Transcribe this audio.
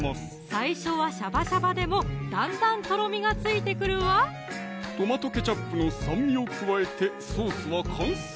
最初はシャバシャバでもだんだんとろみがついてくるわトマトケチャップの酸味を加えてソースは完成！